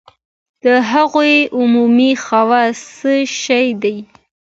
د هغو عمومي خواص څه شی دي؟